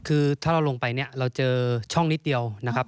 คือถ้าเราลงไปเนี่ยเราเจอช่องนิดเดียวนะครับ